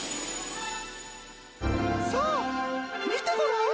「さあ見てごらん」